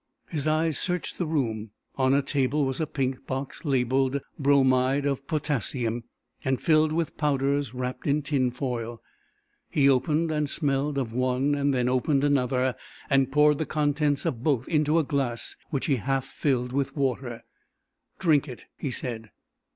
His eyes searched the room. On a table was a pink box labeled bromide of potassium, and filled with powders wrapped in tin foil. He opened and smelled of one and then opened another and poured the contents of both into a glass which he half filled with water. "Drink it," he said.